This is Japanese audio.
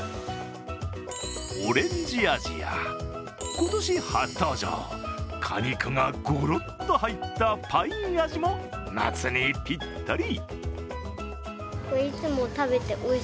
オレンジ味や今年初登場、果肉がごろっと入ったパイン味も夏にぴったり。